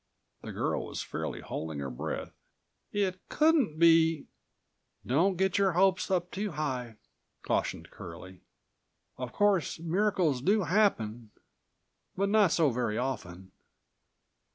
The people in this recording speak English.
The girl was fairly holding her breath. "It couldn't be—" "Don't get your hopes up too high," cautioned Curlie. "Of course miracles do happen, but not so very often."